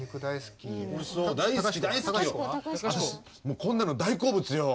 こんなの大好物よ。